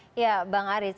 kemudian mengenai perpu ini